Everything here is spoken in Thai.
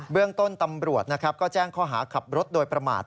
เรื่องต้นตำรวจนะครับก็แจ้งข้อหาขับรถโดยประมาท